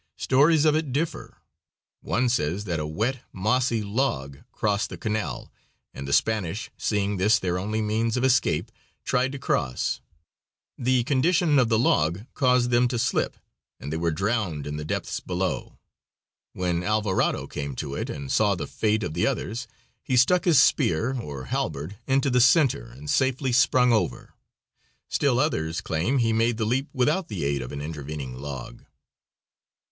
Stories of it differ. One says that a wet, mossy log crossed the canal, and the Spanish, seeing this their only means of escape, tried to cross. The condition of the log caused them to slip, and they were drowned in the depths below. When Alvarado came to it and saw the fate of the others, he stuck his spear, or halberd, into the center and safely sprung over. Still others claim he made the leap without the aid of an intervening log.